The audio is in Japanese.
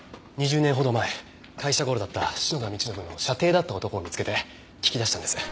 ２０年ほど前会社ゴロだった篠田道信の舎弟だった男を見つけて聞き出したんです。